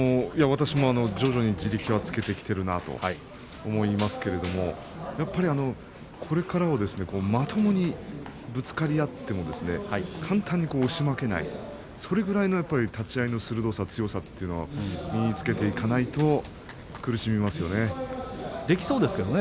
徐々に地力はつけているんだと思いますけれどこれからはまともにぶつかり合っている簡単に押し負けないそれぐらいの立ち合いの鋭さ強さというものを身につけていかないとできそうですけどね。